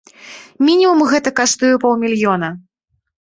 Мінімум гэта каштуе паўмільёна.